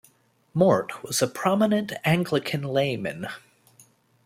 Mort was a prominent Anglican layman.